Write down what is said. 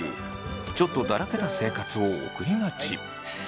ちょっとだらけた生活を送りがち。